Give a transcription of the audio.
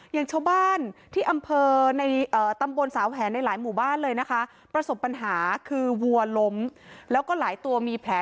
อย่างชาวบ้านที่อำเภอในตำบลสาวแห่ในหลายหมู่บ้านเลยนะคะประสบปัญหาคือวัวล้มแล้วก็หลายตัวมีแผล